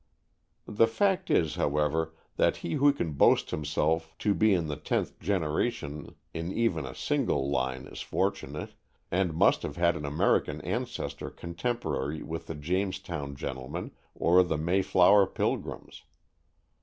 The fact is, however, that he who can boast himself to be in the tenth generation in even a single line is fortunate, and must have had an American ancestor contemporary with the Jamestown gentlemen or the Mayflower pilgrims.